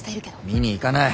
見に行かない。